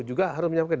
juga harus menyiapkan